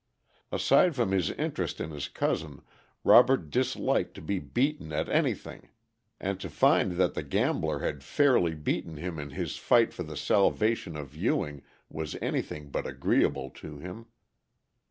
Aside from his interest in his cousin, Robert disliked to be beaten at anything, and to find that the gambler had fairly beaten him in his fight for the salvation of Ewing was anything but agreeable to him.